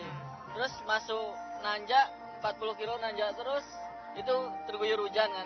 terus masuk nanjak empat puluh kilo nanjak terus itu terguyur hujan kan